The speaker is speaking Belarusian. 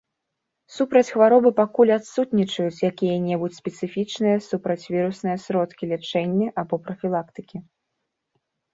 Супраць хваробы пакуль адсутнічаюць якія-небудзь спецыфічныя супрацьвірусныя сродкі лячэння або прафілактыкі.